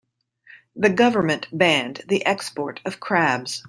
The government banned the export of crabs.